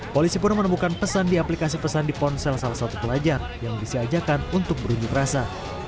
polisi pun menemukan pesan di aplikasi pesan di ponsel salah satu pelajar yang disiajakan untuk berunjuk rasa